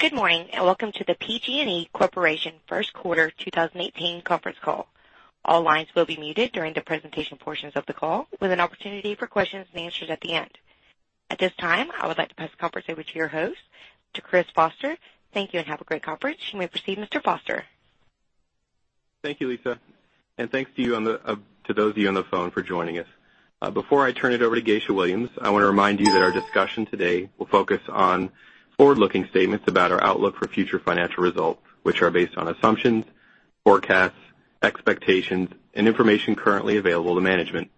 Good morning, and welcome to the PG&E Corporation first quarter 2018 conference call. All lines will be muted during the presentation portions of the call, with an opportunity for questions and answers at the end. At this time, I would like to pass the conference over to your host, to Christopher Foster. Thank you. Have a great conference. You may proceed, Mr. Foster. Thank you, Lisa. Thanks to those of you on the phone for joining us. Before I turn it over to Geisha Williams, I want to remind you that our discussion today will focus on forward-looking statements about our outlook for future financial results, which are based on assumptions, forecasts, expectations, and information currently available to management.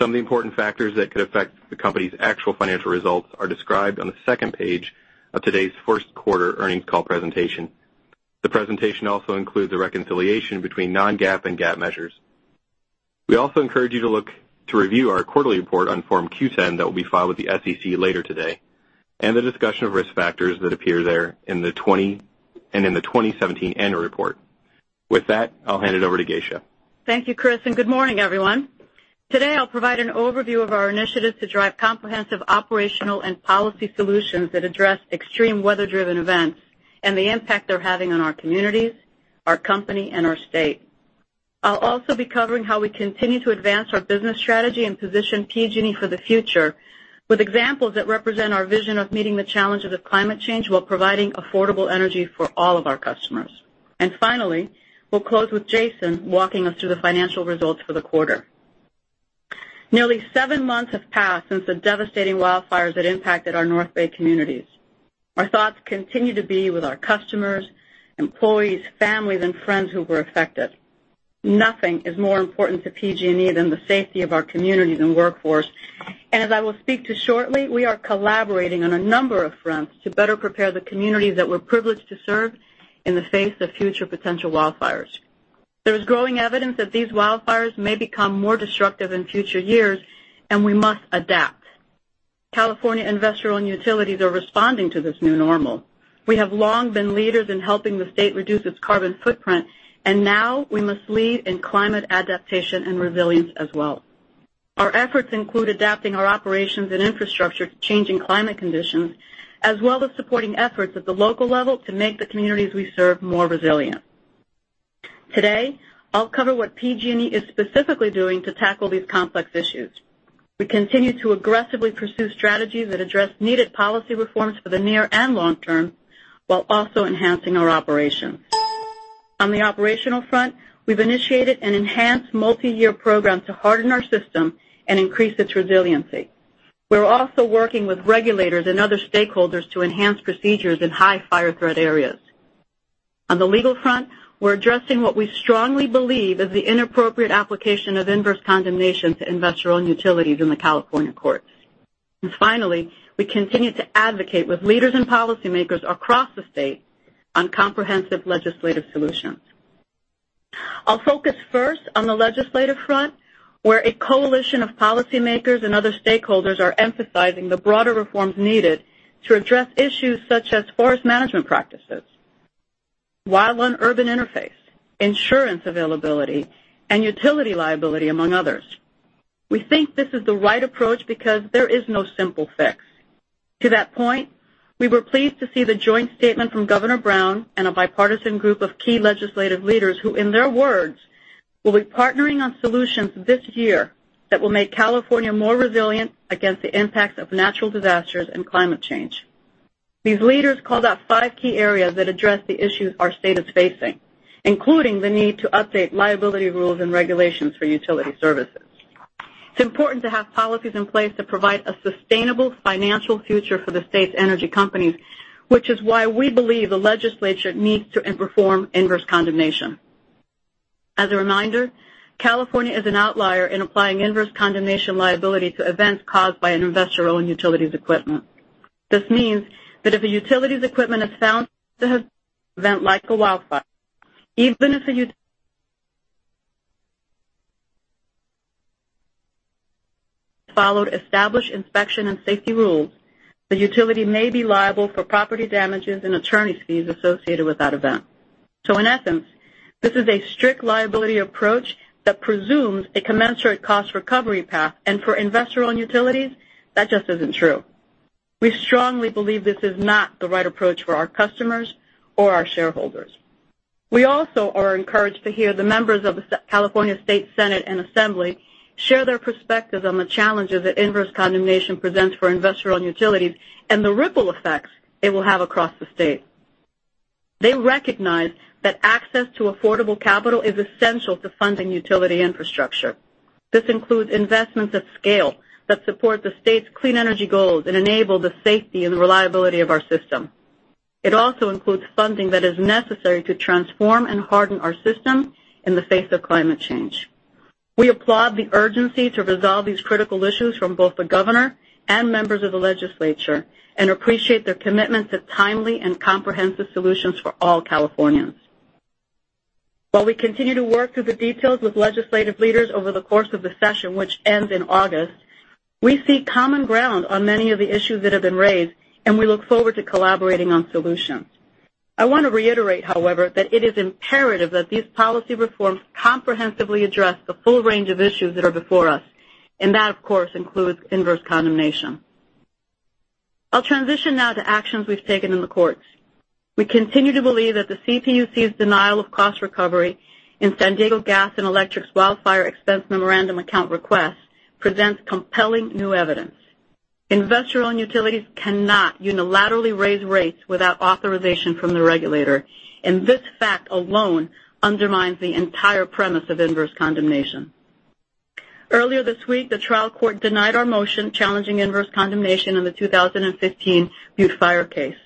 Some of the important factors that could affect the company's actual financial results are described on the second page of today's first quarter earnings call presentation. The presentation also includes a reconciliation between non-GAAP and GAAP measures. We also encourage you to review our quarterly report on Form 10-Q that will be filed with the SEC later today, and the discussion of risk factors that appear there and in the 2017 annual report. With that, I'll hand it over to Geisha. Thank you, Chris. Good morning, everyone. Today, I'll provide an overview of our initiatives to drive comprehensive operational and policy solutions that address extreme weather-driven events and the impact they're having on our communities, our company, and our state. I'll also be covering how we continue to advance our business strategy and position PG&E for the future with examples that represent our vision of meeting the challenge of climate change while providing affordable energy for all of our customers. Finally, we'll close with Jason walking us through the financial results for the quarter. Nearly seven months have passed since the devastating wildfires that impacted our North Bay communities. Our thoughts continue to be with our customers, employees, families, and friends who were affected. Nothing is more important to PG&E than the safety of our communities and workforce. As I will speak to shortly, we are collaborating on a number of fronts to better prepare the communities that we're privileged to serve in the face of future potential wildfires. There's growing evidence that these wildfires may become more destructive in future years, and we must adapt. California investor-owned utilities are responding to this new normal. We have long been leaders in helping the state reduce its carbon footprint, and now we must lead in climate adaptation and resilience as well. Our efforts include adapting our operations and infrastructure to changing climate conditions, as well as supporting efforts at the local level to make the communities we serve more resilient. Today, I'll cover what PG&E is specifically doing to tackle these complex issues. We continue to aggressively pursue strategies that address needed policy reforms for the near and long term while also enhancing our operations. On the operational front, we've initiated an enhanced multiyear program to harden our system and increase its resiliency. We're also working with regulators and other stakeholders to enhance procedures in high fire-threat areas. On the legal front, we're addressing what we strongly believe is the inappropriate application of inverse condemnation to investor-owned utilities in the California courts. Finally, we continue to advocate with leaders and policymakers across the state on comprehensive legislative solutions. I'll focus first on the legislative front, where a coalition of policymakers and other stakeholders are emphasizing the broader reforms needed to address issues such as forest management practices, wildland-urban interface, insurance availability, and utility liability, among others. We think this is the right approach because there is no simple fix. To that point, we were pleased to see the joint statement from Governor Brown and a bipartisan group of key legislative leaders who, in their words, "Will be partnering on solutions this year that will make California more resilient against the impacts of natural disasters and climate change." These leaders called out five key areas that address the issues our state is facing, including the need to update liability rules and regulations for utility services. It's important to have policies in place to provide a sustainable financial future for the state's energy companies, which is why we believe the legislature needs to reform inverse condemnation. As a reminder, California is an outlier in applying inverse condemnation liability to events caused by an investor-owned utility's equipment. This means that if a utility's equipment is found to have event like a wildfire, even if followed established inspection and safety rules, the utility may be liable for property damages and attorney's fees associated with that event. In essence, this is a strict liability approach that presumes a commensurate cost-recovery path, and for investor-owned utilities, that just isn't true. We strongly believe this is not the right approach for our customers or our shareholders. We also are encouraged to hear the members of the California State Senate and Assembly share their perspectives on the challenges that inverse condemnation presents for investor-owned utilities and the ripple effects it will have across the state. They recognize that access to affordable capital is essential to funding utility infrastructure. This includes investments of scale that support the state's clean energy goals and enable the safety and reliability of our system. It also includes funding that is necessary to transform and harden our system in the face of climate change. We applaud the urgency to resolve these critical issues from both the Governor and members of the legislature and appreciate their commitment to timely and comprehensive solutions for all Californians. While we continue to work through the details with legislative leaders over the course of the session, which ends in August, we see common ground on many of the issues that have been raised, and we look forward to collaborating on solutions. I want to reiterate, however, that it is imperative that these policy reforms comprehensively address the full range of issues that are before us, and that, of course, includes inverse condemnation. I'll transition now to actions we've taken in the courts. We continue to believe that the CPUC's denial of cost recovery in San Diego Gas & Electric's wildfire expense memorandum account request presents compelling new evidence. Investor-Owned Utilities cannot unilaterally raise rates without authorization from the regulator, and this fact alone undermines the entire premise of inverse condemnation. Earlier this week, the trial court denied our motion challenging inverse condemnation on the 2015 Butte Fire case.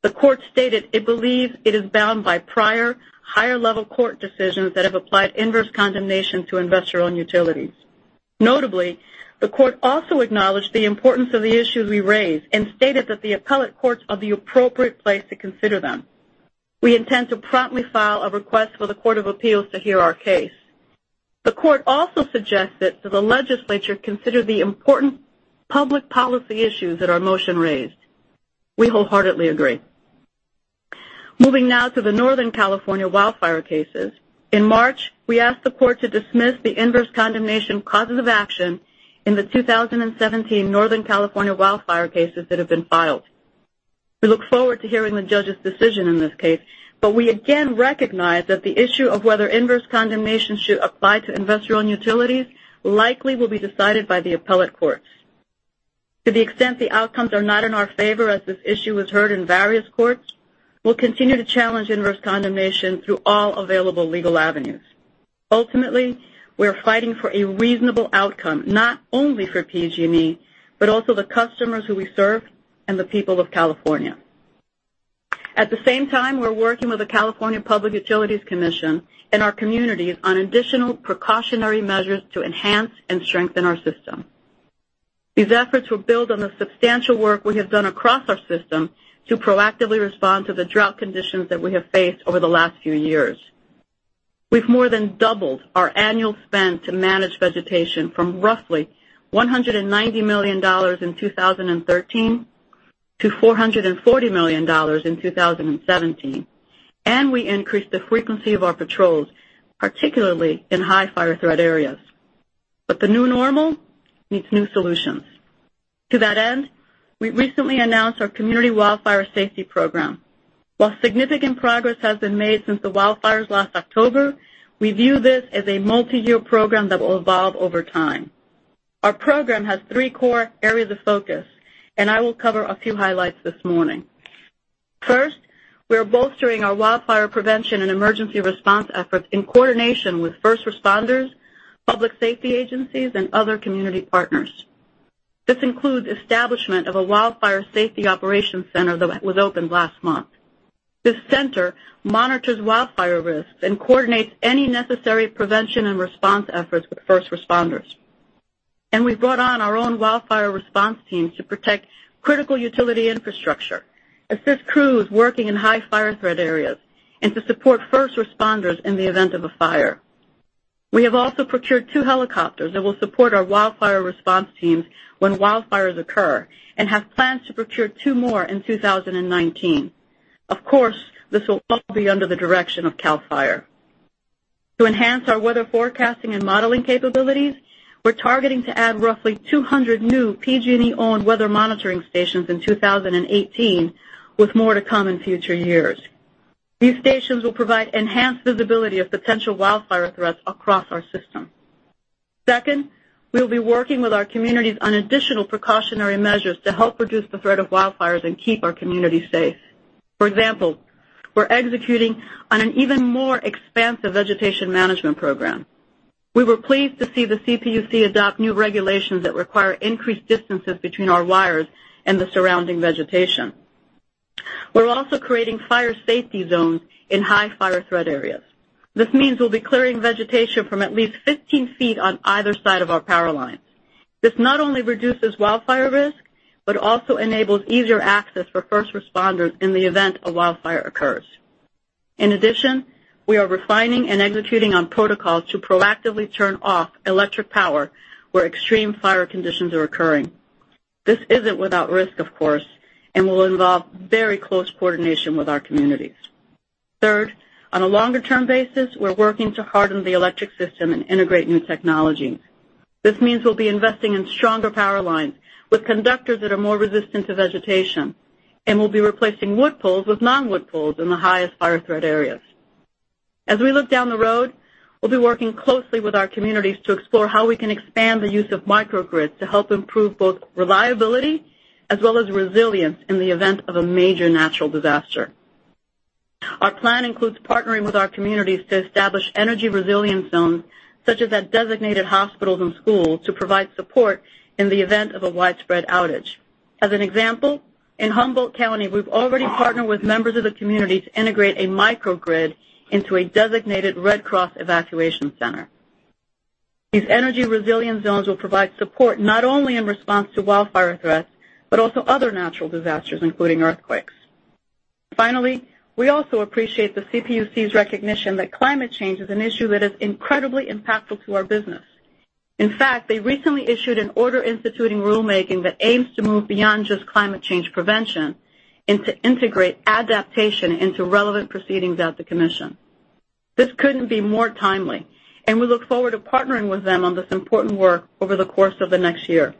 The court stated it believes it is bound by prior higher-level court decisions that have applied inverse condemnation to Investor-Owned Utilities. Notably, the court also acknowledged the importance of the issues we raised and stated that the appellate courts are the appropriate place to consider them. We intend to promptly file a request for the Court of Appeals to hear our case. The court also suggested that the legislature consider the important public policy issues that our motion raised. We wholeheartedly agree. Moving now to the Northern California wildfire cases. In March, we asked the court to dismiss the inverse condemnation causes of action in the 2017 Northern California wildfire cases that have been filed. We look forward to hearing the judge's decision in this case, but we again recognize that the issue of whether inverse condemnation should apply to Investor-Owned Utilities likely will be decided by the appellate courts. To the extent the outcomes are not in our favor as this issue is heard in various courts, we'll continue to challenge inverse condemnation through all available legal avenues. Ultimately, we are fighting for a reasonable outcome, not only for PG&E, but also the customers who we serve and the people of California. At the same time, we're working with the California Public Utilities Commission and our communities on additional precautionary measures to enhance and strengthen our system. These efforts will build on the substantial work we have done across our system to proactively respond to the drought conditions that we have faced over the last few years. We've more than doubled our annual spend to manage vegetation from roughly $190 million in 2013 to $440 million in 2017, and we increased the frequency of our patrols, particularly in high fire threat areas. The new normal needs new solutions. To that end, we recently announced our Community Wildfire Safety Program. While significant progress has been made since the wildfires last October, we view this as a multi-year program that will evolve over time. Our program has three core areas of focus, and I will cover a few highlights this morning. First, we are bolstering our wildfire prevention and emergency response efforts in coordination with first responders, public safety agencies, and other community partners. This includes establishment of a Wildfire Safety Operations Center that was opened last month. This center monitors wildfire risks and coordinates any necessary prevention and response efforts with first responders. We've brought on our own wildfire response teams to protect critical utility infrastructure, assist crews working in high fire threat areas, and to support first responders in the event of a fire. We have also procured two helicopters that will support our wildfire response teams when wildfires occur and have plans to procure two more in 2019. Of course, this will all be under the direction of CAL FIRE. To enhance our weather forecasting and modeling capabilities, we're targeting to add roughly 200 new PG&E-owned weather monitoring stations in 2018, with more to come in future years. These stations will provide enhanced visibility of potential wildfire threats across our system. Second, we'll be working with our communities on additional precautionary measures to help reduce the threat of wildfires and keep our community safe. For example, we're executing on an even more expansive vegetation management program. We were pleased to see the CPUC adopt new regulations that require increased distances between our wires and the surrounding vegetation. We're also creating fire safety zones in high fire threat areas. This means we'll be clearing vegetation from at least 15 feet on either side of our power lines. This not only reduces wildfire risk, but also enables easier access for first responders in the event a wildfire occurs. In addition, we are refining and executing on protocols to proactively turn off electric power where extreme fire conditions are occurring. This isn't without risk, of course, and will involve very close coordination with our communities. Third, on a longer-term basis, we're working to harden the electric system and integrate new technologies. This means we'll be investing in stronger power lines with conductors that are more resistant to vegetation, and we'll be replacing wood poles with non-wood poles in the highest fire threat areas. As we look down the road, we'll be working closely with our communities to explore how we can expand the use of microgrids to help improve both reliability as well as resilience in the event of a major natural disaster. Our plan includes partnering with our communities to establish energy resilience zones, such as at designated hospitals and schools, to provide support in the event of a widespread outage. As an example, in Humboldt County, we've already partnered with members of the community to integrate a microgrid into a designated Red Cross evacuation center. These energy resilience zones will provide support not only in response to wildfire threats, but also other natural disasters, including earthquakes. Finally, we also appreciate the CPUC's recognition that climate change is an issue that is incredibly impactful to our business. In fact, they recently issued an Order Instituting Rulemaking that aims to move beyond just climate change prevention and to integrate adaptation into relevant proceedings at the commission. This couldn't be more timely, and we look forward to partnering with them on this important work over the course of the next year.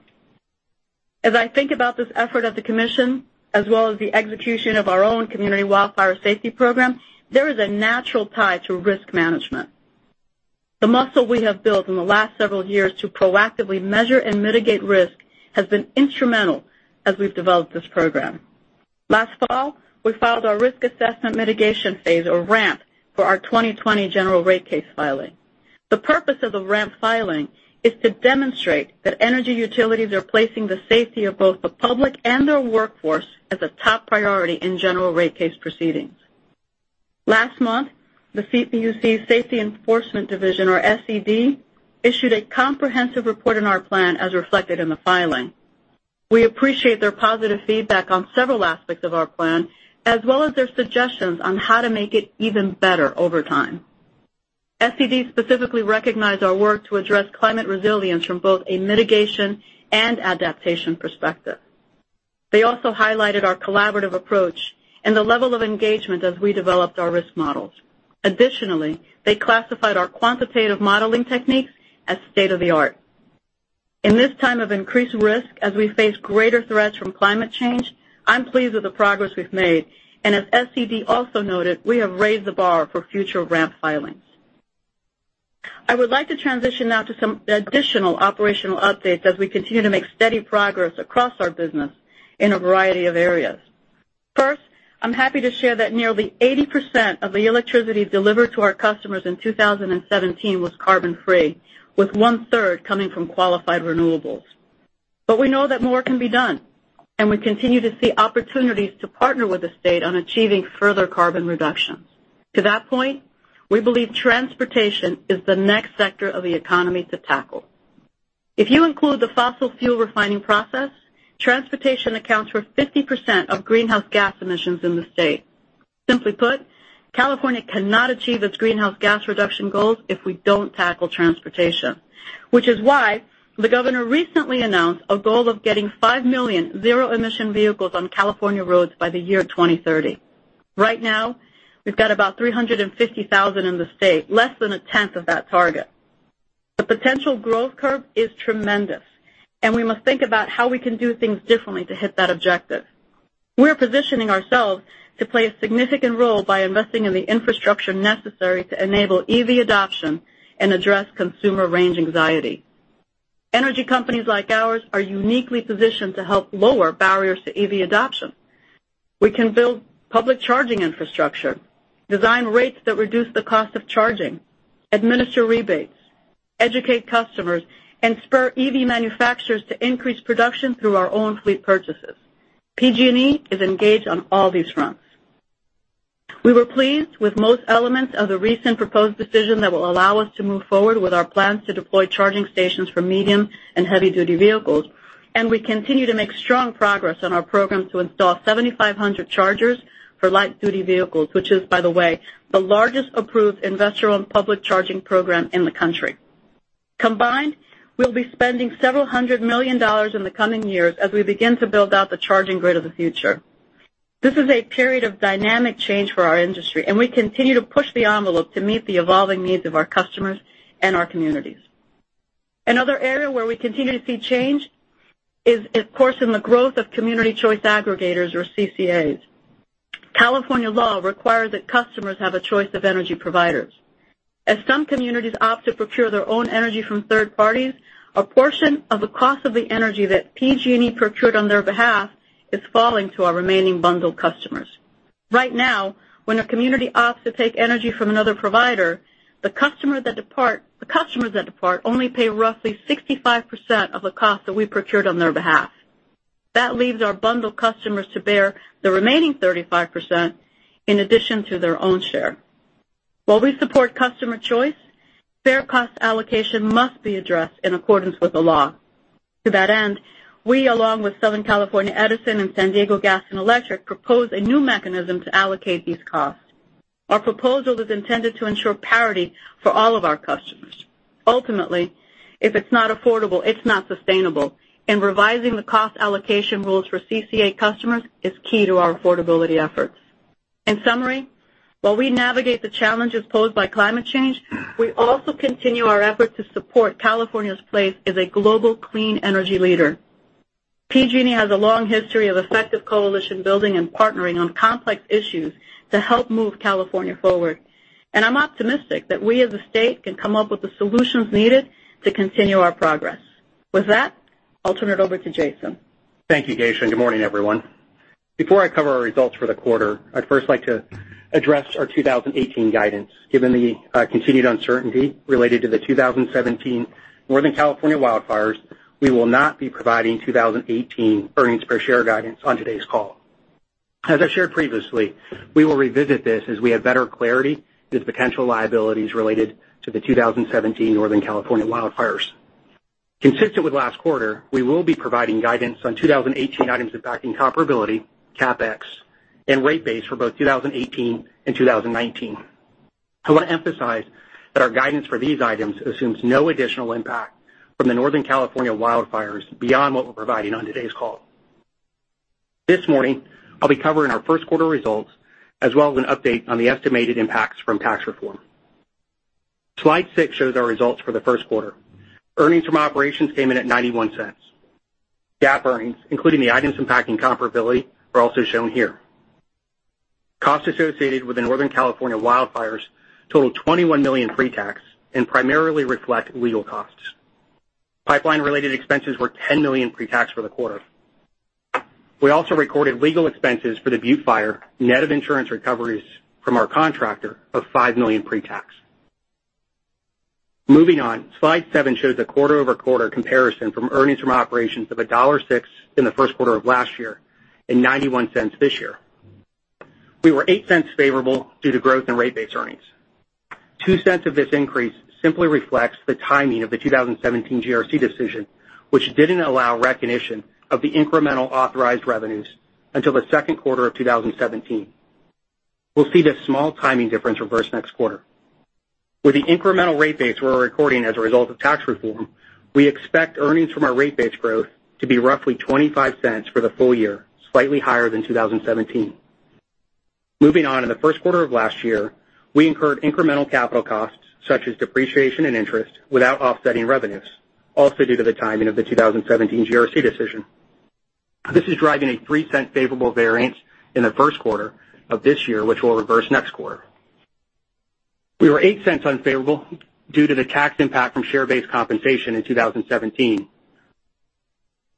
As I think about this effort of the commission, as well as the execution of our own Community Wildfire Safety Program, there is a natural tie to risk management. The muscle we have built in the last several years to proactively measure and mitigate risk has been instrumental as we've developed this program. Last fall, we filed our Risk Assessment Mitigation Phase, or RAMP, for our 2020 General Rate Case filing. The purpose of the RAMP filing is to demonstrate that energy utilities are placing the safety of both the public and their workforce as a top priority in General Rate Case proceedings. Last month, the CPUC Safety and Enforcement Division, or SED, issued a comprehensive report on our plan as reflected in the filing. We appreciate their positive feedback on several aspects of our plan, as well as their suggestions on how to make it even better over time. SED specifically recognized our work to address climate resilience from both a mitigation and adaptation perspective. They also highlighted our collaborative approach and the level of engagement as we developed our risk models. Additionally, they classified our quantitative modeling techniques as state-of-the-art. In this time of increased risk, as we face greater threats from climate change, I'm pleased with the progress we've made. As SED also noted, we have raised the bar for future RAMP filings. I would like to transition now to some additional operational updates as we continue to make steady progress across our business in a variety of areas. First, I'm happy to share that nearly 80% of the electricity delivered to our customers in 2017 was carbon-free, with one-third coming from qualified renewables. We know that more can be done, and we continue to see opportunities to partner with the state on achieving further carbon reductions. To that point, we believe transportation is the next sector of the economy to tackle. If you include the fossil fuel refining process, transportation accounts for 50% of greenhouse gas emissions in the state. Simply put, California cannot achieve its greenhouse gas reduction goals if we don't tackle transportation, which is why the Governor recently announced a goal of getting 5 million zero-emission vehicles on California roads by the year 2030. Right now, we've got about 350,000 in the state, less than a tenth of that target. The potential growth curve is tremendous, and we must think about how we can do things differently to hit that objective. We're positioning ourselves to play a significant role by investing in the infrastructure necessary to enable EV adoption and address consumer range anxiety. Energy companies like ours are uniquely positioned to help lower barriers to EV adoption. We can build public charging infrastructure, design rates that reduce the cost of charging, administer rebates, educate customers, and spur EV manufacturers to increase production through our own fleet purchases. PG&E is engaged on all these fronts. We were pleased with most elements of the recent proposed decision that will allow us to move forward with our plans to deploy charging stations for medium and heavy-duty vehicles, and we continue to make strong progress on our program to install 7,500 chargers for light-duty vehicles, which is, by the way, the largest approved investor-owned public charging program in the country. Combined, we'll be spending several hundred million dollars in the coming years as we begin to build out the charging grid of the future. This is a period of dynamic change for our industry, and we continue to push the envelope to meet the evolving needs of our customers and our communities. Another area where we continue to see change is, of course, in the growth of community choice aggregators, or CCAs. California law requires that customers have a choice of energy providers. As some communities opt to procure their own energy from third parties, a portion of the cost of the energy that PG&E procured on their behalf is falling to our remaining bundled customers. Right now, when a community opts to take energy from another provider, the customers that depart only pay roughly 65% of the cost that we procured on their behalf. That leaves our bundled customers to bear the remaining 35% in addition to their own share. While we support customer choice, fair cost allocation must be addressed in accordance with the law. To that end, we, along with Southern California Edison and San Diego Gas & Electric, propose a new mechanism to allocate these costs. Our proposal is intended to ensure parity for all of our customers. Ultimately, if it's not affordable, it's not sustainable. Revising the cost allocation rules for CCA customers is key to our affordability efforts. In summary, while we navigate the challenges posed by climate change, we also continue our effort to support California's place as a global clean energy leader. PG&E has a long history of effective coalition building and partnering on complex issues to help move California forward. I'm optimistic that we as a state can come up with the solutions needed to continue our progress. With that, I'll turn it over to Jason. Thank you, Geisha, and good morning, everyone. Before I cover our results for the quarter, I'd first like to address our 2018 guidance. Given the continued uncertainty related to the 2017 Northern California wildfires, we will not be providing 2018 earnings per share guidance on today's call. As I shared previously, we will revisit this as we have better clarity with potential liabilities related to the 2017 Northern California wildfires. Consistent with last quarter, we will be providing guidance on 2018 items impacting comparability, CapEx and rate base for both 2018 and 2019. I want to emphasize that our guidance for these items assumes no additional impact from the Northern California wildfires beyond what we're providing on today's call. This morning, I'll be covering our first quarter results, as well as an update on the estimated impacts from tax reform. Slide six shows our results for the first quarter. Earnings from operations came in at $0.91. GAAP earnings, including the items impacting comparability, are also shown here. Costs associated with the Northern California wildfires totaled $21 million pre-tax and primarily reflect legal costs. Pipeline-related expenses were $10 million pre-tax for the quarter. We also recorded legal expenses for the Butte Fire, net of insurance recoveries from our contractor of $5 million pre-tax. Moving on, Slide seven shows a quarter-over-quarter comparison from earnings from operations of $1.06 in the first quarter of last year and $0.91 this year. We were $0.08 favorable due to growth in rate-based earnings. $0.02 of this increase simply reflects the timing of the 2017 GRC decision, which didn't allow recognition of the incremental authorized revenues until the second quarter of 2017. We'll see this small timing difference reverse next quarter. With the incremental rate base we're recording as a result of tax reform, we expect earnings from our rate base growth to be roughly $0.25 for the full year, slightly higher than 2017. Moving on, in the first quarter of last year, we incurred incremental capital costs, such as depreciation and interest, without offsetting revenues, also due to the timing of the 2017 GRC decision. This is driving a $0.03 favorable variance in the first quarter of this year, which will reverse next quarter. We were $0.08 unfavorable due to the tax impact from share-based compensation in 2017.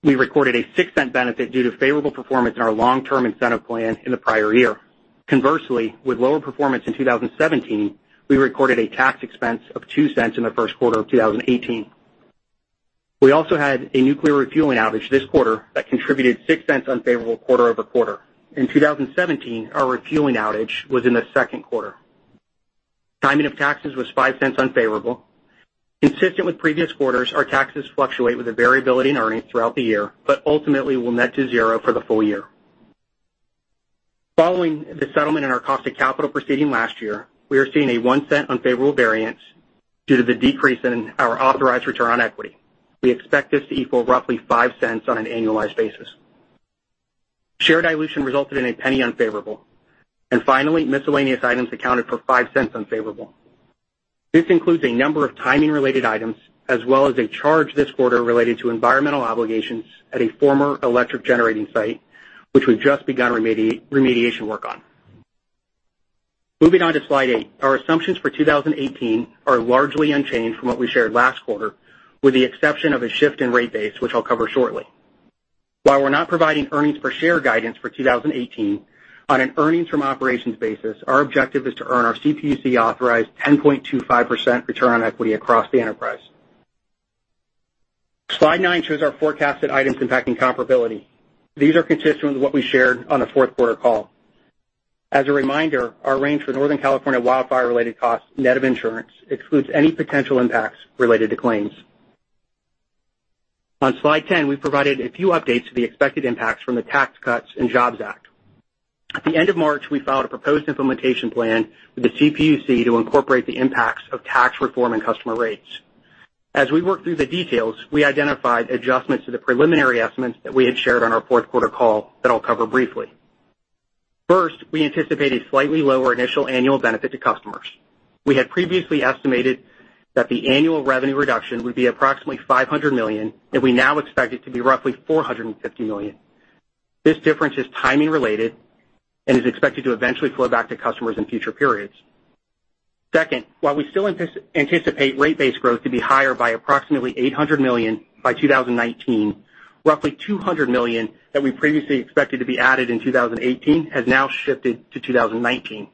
We recorded a $0.06 benefit due to favorable performance in our long-term incentive plan in the prior year. Conversely, with lower performance in 2017, we recorded a tax expense of $0.02 in the first quarter of 2018. We also had a nuclear refueling outage this quarter that contributed $0.06 unfavorable quarter-over-quarter. In 2017, our refueling outage was in the second quarter. Timing of taxes was $0.05 unfavorable. Consistent with previous quarters, our taxes fluctuate with the variability in earnings throughout the year, but ultimately will net to zero for the full year. Following the settlement in our Cost of Capital proceeding last year, we are seeing a $0.01 unfavorable variance due to the decrease in our authorized return on equity. We expect this to equal roughly $0.05 on an annualized basis. Share dilution resulted in a $0.01 unfavorable. Finally, miscellaneous items accounted for $0.05 unfavorable. This includes a number of timing-related items, as well as a charge this quarter related to environmental obligations at a former electric generating site, which we've just begun remediation work on. Moving on to slide eight. Our assumptions for 2018 are largely unchanged from what we shared last quarter, with the exception of a shift in rate base, which I'll cover shortly. While we're not providing earnings per share guidance for 2018, on an earnings from operations basis, our objective is to earn our CPUC-authorized 10.25% return on equity across the enterprise. Slide nine shows our forecasted items impacting comparability. These are consistent with what we shared on the fourth quarter call. As a reminder, our range for Northern California wildfire-related costs, net of insurance, excludes any potential impacts related to claims. On slide 10, we've provided a few updates to the expected impacts from the Tax Cuts and Jobs Act. At the end of March, we filed a proposed implementation plan with the CPUC to incorporate the impacts of tax reform and customer rates. As we worked through the details, we identified adjustments to the preliminary estimates that we had shared on our fourth quarter call that I'll cover briefly. First, we anticipate a slightly lower initial annual benefit to customers. We had previously estimated that the annual revenue reduction would be approximately $500 million, and we now expect it to be roughly $450 million. This difference is timing related and is expected to eventually flow back to customers in future periods. Second, while we still anticipate rate base growth to be higher by approximately $800 million by 2019, roughly $200 million that we previously expected to be added in 2018 has now shifted to 2019.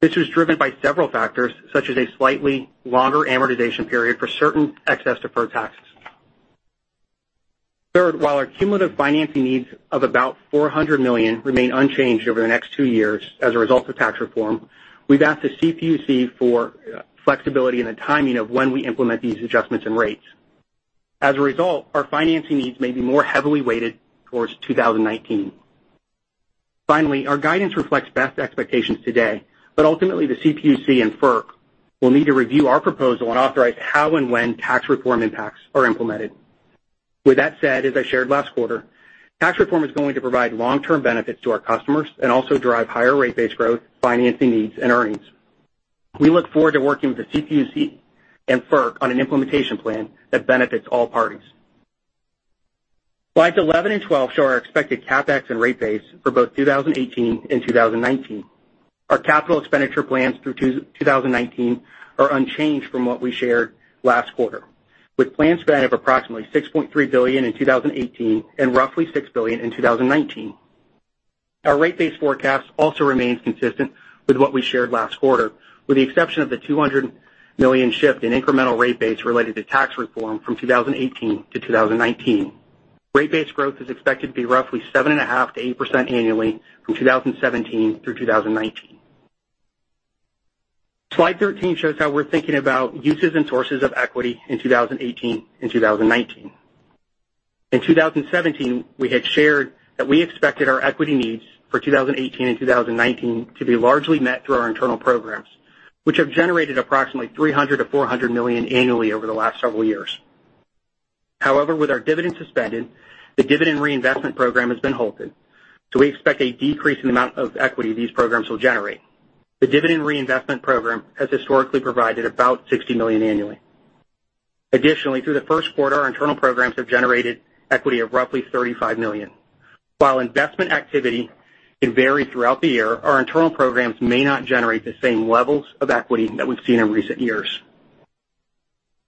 This was driven by several factors, such as a slightly longer amortization period for certain excess deferred taxes. Third, while our cumulative financing needs of about $400 million remain unchanged over the next two years as a result of tax reform, we've asked the CPUC for flexibility in the timing of when we implement these adjustments and rates. As a result, our financing needs may be more heavily weighted towards 2019. Finally, our guidance reflects best expectations today, but ultimately, the CPUC and FERC will need to review our proposal and authorize how and when tax reform impacts are implemented. With that said, as I shared last quarter, tax reform is going to provide long-term benefits to our customers and also drive higher rate base growth, financing needs, and earnings. We look forward to working with the CPUC and FERC on an implementation plan that benefits all parties. Slides 11 and 12 show our expected CapEx and rate base for both 2018 and 2019. Our capital expenditure plans through 2019 are unchanged from what we shared last quarter, with plans span of approximately $6.3 billion in 2018 and roughly $6 billion in 2019. Our rate base forecast also remains consistent with what we shared last quarter, with the exception of the $200 million shift in incremental rate base related to tax reform from 2018 to 2019. Rate base growth is expected to be roughly 7.5%-8% annually from 2017 through 2019. Slide 13 shows how we're thinking about uses and sources of equity in 2018 and 2019. In 2017, we had shared that we expected our equity needs for 2018 and 2019 to be largely met through our internal programs, which have generated approximately $300 million-$400 million annually over the last several years. With our dividend suspended, the dividend reinvestment program has been halted, so we expect a decrease in the amount of equity these programs will generate. The dividend reinvestment program has historically provided about $60 million annually. Additionally, through the first quarter, our internal programs have generated equity of roughly $35 million. While investment activity can vary throughout the year, our internal programs may not generate the same levels of equity that we've seen in recent years.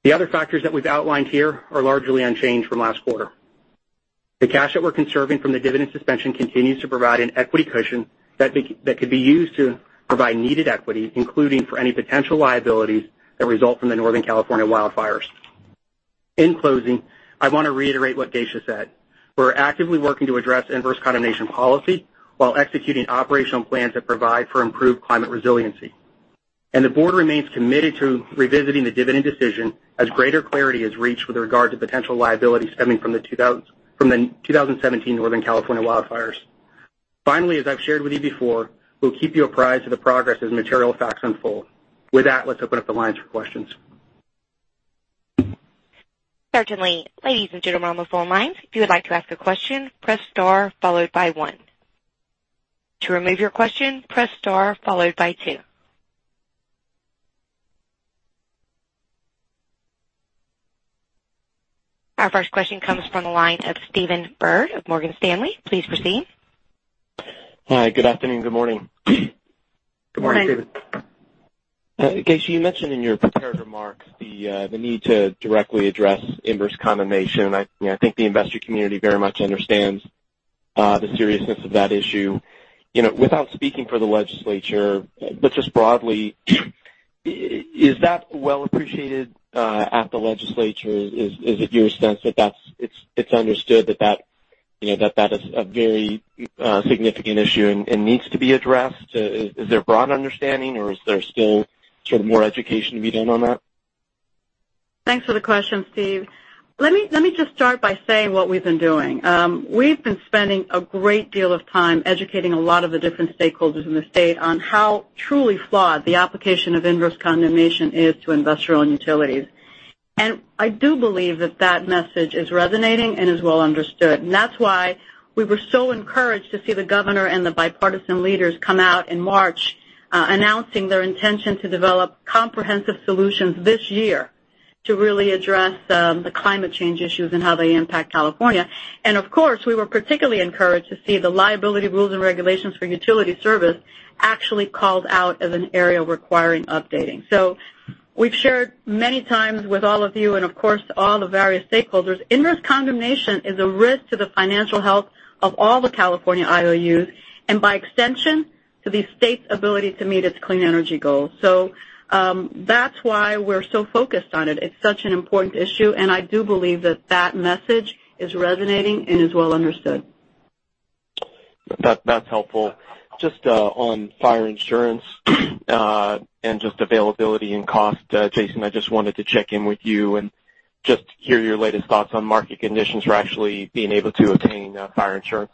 The other factors that we've outlined here are largely unchanged from last quarter. The cash that we're conserving from the dividend suspension continues to provide an equity cushion that could be used to provide needed equity, including for any potential liabilities that result from the Northern California wildfires. In closing, I want to reiterate what Geisha said. We're actively working to address inverse condemnation policy while executing operational plans that provide for improved climate resiliency. The board remains committed to revisiting the dividend decision as greater clarity is reached with regard to potential liability stemming from the 2017 Northern California wildfires. Finally, as I've shared with you before, we'll keep you apprised of the progress as material facts unfold. With that, let's open up the lines for questions. Certainly. Ladies and gentlemen, on the phone lines, if you would like to ask a question, press star followed by one. To remove your question, press star followed by two. Our first question comes from the line of Stephen Byrd of Morgan Stanley. Please proceed. Hi, good afternoon, good morning. Good morning, Stephen. Geisha, you mentioned in your prepared remarks the need to directly address inverse condemnation. I think the investor community very much understands the seriousness of that issue. Without speaking for the legislature, but just broadly, is that well appreciated at the legislature? Is it your sense that it's understood that is a very significant issue and needs to be addressed? Is there broad understanding or is there still sort of more education to be done on that? Thanks for the question, Steve. Let me just start by saying what we've been doing. We've been spending a great deal of time educating a lot of the different stakeholders in the state on how truly flawed the application of inverse condemnation is to investor-owned utilities. I do believe that that message is resonating and is well understood, and that's why we were so encouraged to see the Governor and the bipartisan leaders come out in March, announcing their intention to develop comprehensive solutions this year to really address the climate change issues and how they impact California. Of course, we were particularly encouraged to see the liability rules and regulations for utility service actually called out as an area requiring updating. We've shared many times with all of you and, of course, all the various stakeholders, inverse condemnation is a risk to the financial health of all the California IOUs, and by extension, to the state's ability to meet its clean energy goals. That's why we're so focused on it. It's such an important issue, and I do believe that that message is resonating and is well understood. That's helpful. Just on fire insurance and just availability and cost, Jason, I just wanted to check in with you and just hear your latest thoughts on market conditions for actually being able to obtain fire insurance.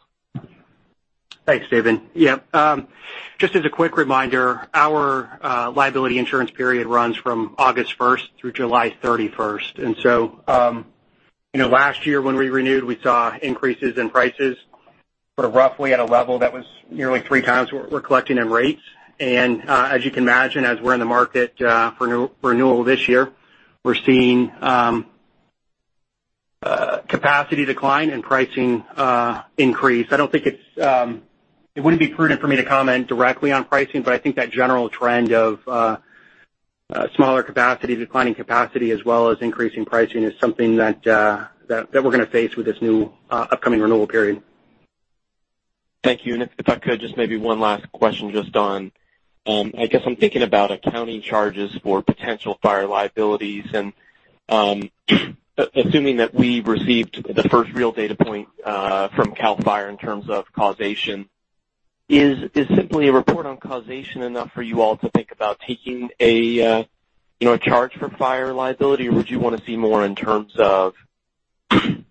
Thanks, Stephen. Just as a quick reminder, our liability insurance period runs from August 1st through July 31st. Last year when we renewed, we saw increases in prices sort of roughly at a level that was nearly three times what we're collecting in rates. As you can imagine, as we're in the market for renewal this year, we're seeing capacity decline and pricing increase. It wouldn't be prudent for me to comment directly on pricing, but I think that general trend of smaller capacity, declining capacity, as well as increasing pricing is something that we're going to face with this new upcoming renewal period. Thank you. If I could, just maybe one last question just on, I guess I'm thinking about accounting charges for potential fire liabilities and assuming that we received the first real data point from CAL FIRE in terms of causation. Is simply a report on causation enough for you all to think about taking a charge for fire liability? Or would you want to see more in terms of from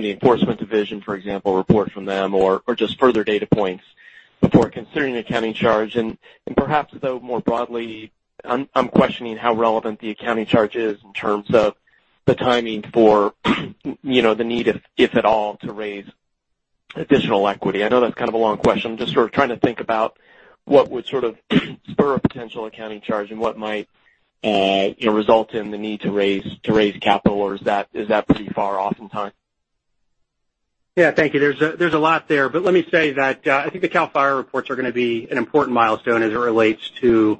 the Enforcement Division, for example, a report from them or just further data points before considering an accounting charge? Perhaps, though, more broadly, I'm questioning how relevant the accounting charge is in terms of the timing for the need, if at all, to raise additional equity. I know that's kind of a long question. I'm just sort of trying to think about what would sort of spur a potential accounting charge and what might result in the need to raise capital, or is that pretty far off in time? Yeah, thank you. There's a lot there, but let me say that I think the CAL FIRE reports are going to be an important milestone as it relates to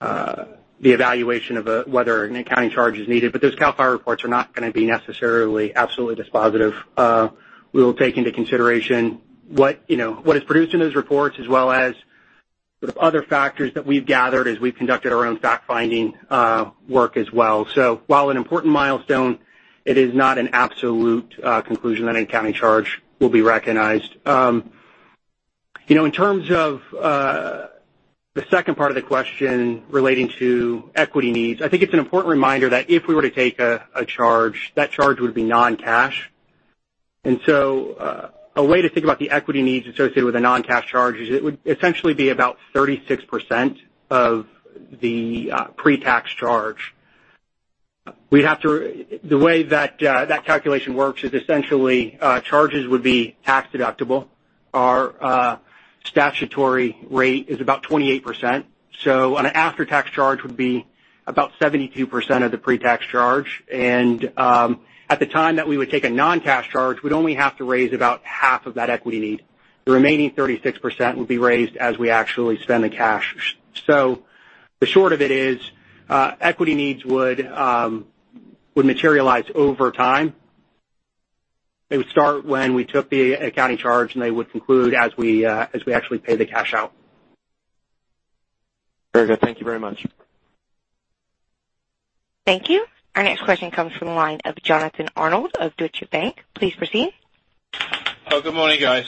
the evaluation of whether an accounting charge is needed. Those CAL FIRE reports are not going to be necessarily absolutely dispositive. We will take into consideration what is produced in those reports, as well as sort of other factors that we've gathered as we've conducted our own fact-finding work as well. While an important milestone, it is not an absolute conclusion that an accounting charge will be recognized. In terms of the second part of the question relating to equity needs, I think it's an important reminder that if we were to take a charge, that charge would be non-cash. A way to think about the equity needs associated with a non-cash charge is it would essentially be about 36% of the pre-tax charge. The way that that calculation works is essentially, charges would be tax-deductible. Our statutory rate is about 28%. An after-tax charge would be about 72% of the pre-tax charge. At the time that we would take a non-cash charge, we'd only have to raise about half of that equity need. The remaining 36% would be raised as we actually spend the cash. The short of it is, equity needs would materialize over time. They would start when we took the accounting charge, and they would conclude as we actually pay the cash out. Very good. Thank you very much. Thank you. Our next question comes from the line of Jonathan Arnold of Deutsche Bank. Please proceed. Oh, good morning, guys.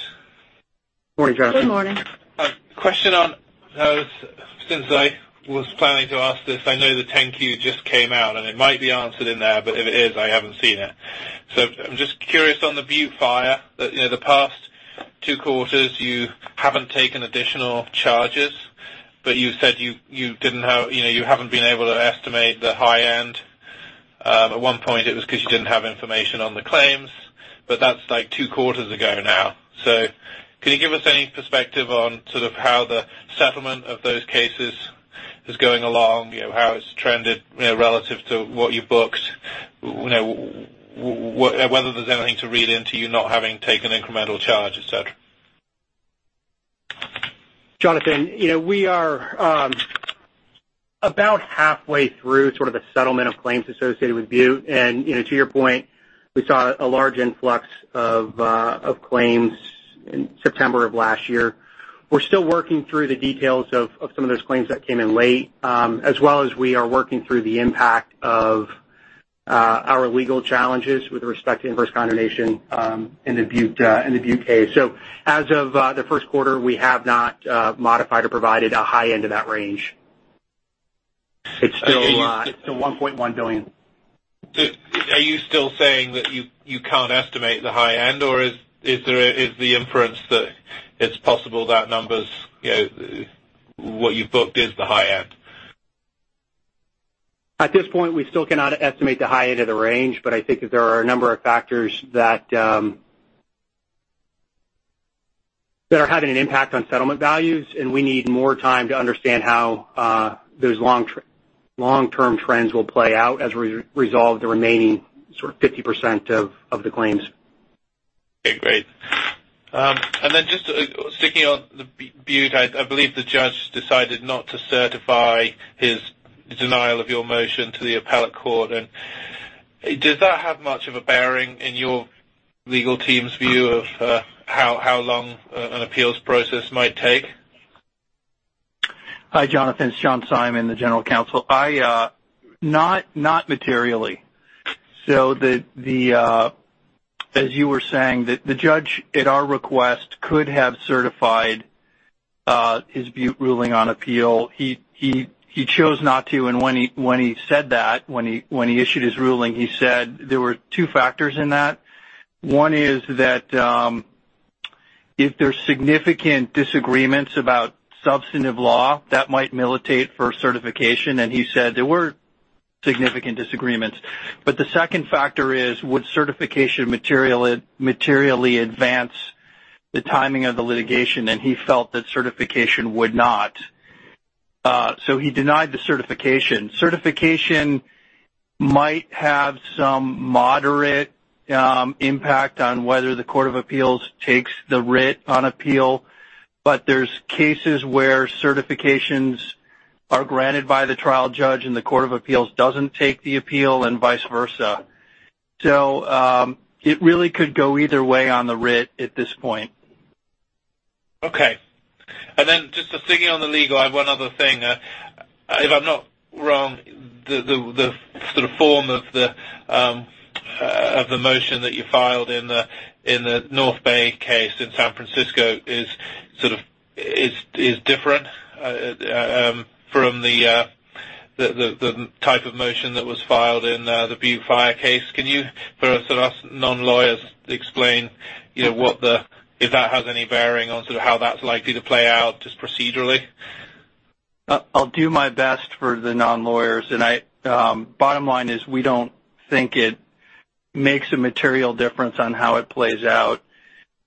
Morning, Jonathan. Good morning. A question on, since I was planning to ask this, I know the 10-Q just came out, and it might be answered in there, but if it is, I haven't seen it. I'm just curious on the Butte Fire. The past two quarters, you haven't taken additional charges, but you said you haven't been able to estimate the high end. At one point, it was because you didn't have information on the claims, but that's two quarters ago now. Can you give us any perspective on how the settlement of those cases is going along? How it's trended relative to what you've booked? Whether there's anything to read into you not having taken incremental charge, et cetera. Jonathan, we are about halfway through the settlement of claims associated with Butte. To your point, we saw a large influx of claims in September of last year. We're still working through the details of some of those claims that came in late, as well as we are working through the impact of our legal challenges with respect to inverse condemnation in the Butte case. As of the first quarter, we have not modified or provided a high end of that range. It's still- It's still $1.1 billion. Are you still saying that you can't estimate the high end, or is the inference that it's possible that what you've booked is the high end? At this point, we still cannot estimate the high end of the range, I think that there are a number of factors that are having an impact on settlement values, and we need more time to understand how those long-term trends will play out as we resolve the remaining 50% of the claims. Okay, great. Just sticking on Butte, I believe the judge decided not to certify his denial of your motion to the appellate court. Does that have much of a bearing in your legal team's view of how long an appeals process might take? Hi, Jonathan. It's John Simon, the General Counsel. Not materially. As you were saying, the judge, at our request, could have certified his Butte ruling on appeal. He chose not to, and when he said that, when he issued his ruling, he said there were two factors in that. One is that if there's significant disagreements about substantive law, that might militate for certification, he said there weren't significant disagreements. The second factor is, would certification materially advance the timing of the litigation? He felt that certification would not. He denied the certification. Certification might have some moderate impact on whether the Court of Appeals takes the writ on appeal, there's cases where certifications are granted by the trial judge and the Court of Appeals doesn't take the appeal and vice versa. It really could go either way on the writ at this point. Okay. Then just sticking on the legal, I have one other thing. If I'm not wrong, the form of the motion that you filed in the North Bay case in San Francisco is different from the type of motion that was filed in the Butte Fire case. Can you, for us non-lawyers, explain if that has any bearing on how that's likely to play out just procedurally? I'll do my best for the non-lawyers. Bottom line is we don't think it makes a material difference on how it plays out.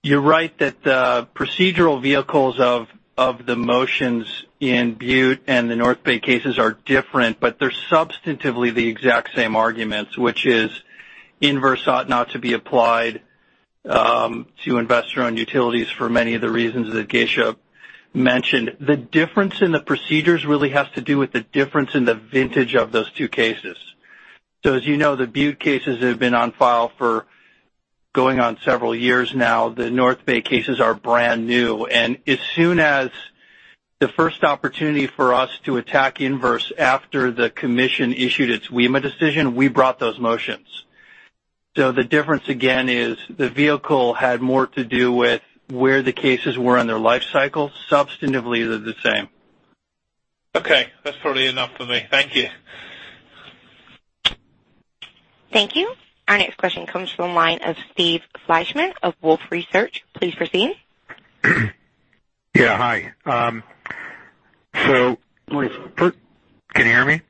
You're right that the procedural vehicles of the motions in Butte and the North Bay cases are different, but they're substantively the exact same arguments, which is inverse ought not to be applied to investor-owned utilities for many of the reasons that Geisha mentioned. The difference in the procedures really has to do with the difference in the vintage of those two cases. As you know, the Butte cases have been on file for going on several years now. The North Bay cases are brand new. As soon as the first opportunity for us to attack inverse after the commission issued its WEMA decision, we brought those motions. The difference again is the vehicle had more to do with where the cases were in their life cycle. Substantively, they're the same. Okay. That's probably enough for me. Thank you. Thank you. Our next question comes from the line of Steve Fleishman of Wolfe Research. Please proceed. Yeah, hi. Can you hear me?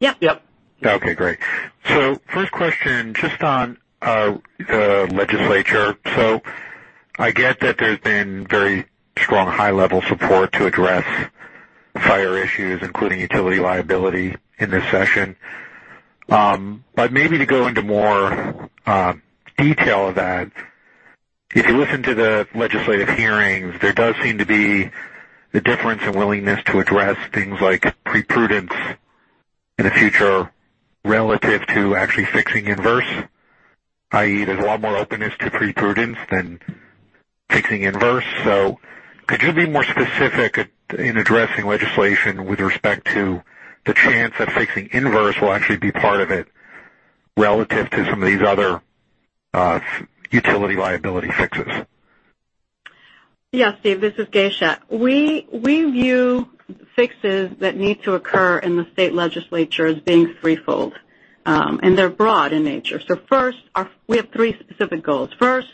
Yep. Yep. Okay, great. First question just on the legislature. I get that there's been very strong high-level support to address fire issues, including utility liability, in this session. Maybe to go into more detail of that, if you listen to the legislative hearings, there does seem to be the difference in willingness to address things like pre-prudence in the future relative to actually fixing inverse, i.e., there's a lot more openness to pre-prudence than fixing inverse. Could you be more specific at, in addressing legislation with respect to the chance of fixing inverse will actually be part of it relative to some of these other utility liability fixes? Yeah, Steve, this is Geisha. We view fixes that need to occur in the state legislature as being threefold. They're broad in nature. First, we have three specific goals. First,